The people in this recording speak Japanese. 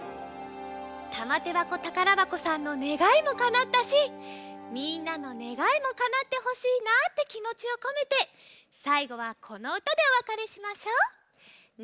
たまてばこたからばこさんのねがいもかなったしみんなのねがいもかなってほしいなってきもちをこめてさいごはこのうたでおわかれしましょう！